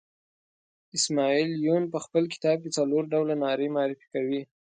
اسماعیل یون په خپل کتاب کې څلور ډوله نارې معرفي کوي.